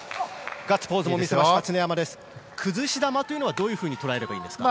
崩し球というのはどう捉えればいいですか。